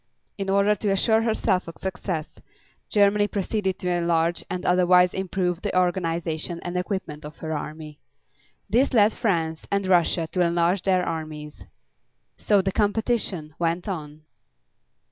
In order to assure herself of success, Germany proceeded to enlarge and otherwise improve the organization and equipment of her army. This led France and Russia to enlarge their armies. So the competition went on.